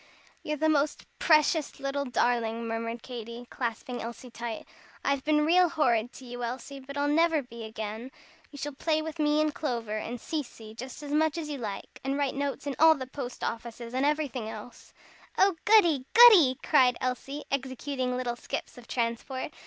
"You're the most precious little darling," murmured Katy, clasping Elsie tight. "I've been real horrid to you, Elsie. But I'll never be again. You shall play with me and Clover, and Cecy, just as much as you like, and write notes in all the post offices, and everything else." "Oh, goody! goody!" cried Elsie, executing little skips of transport.